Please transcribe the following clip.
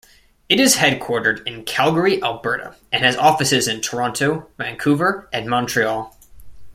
It is headquartered in Calgary, Alberta and has offices in Toronto, Vancouver, and Montreal.